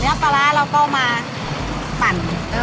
เนื้อปลาร้าเราก็เอามาปั่น